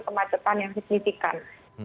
kemacetan yang signifikan